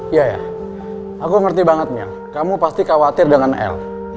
iya iya aku ngerti banget mil kamu pasti khawatir dengan el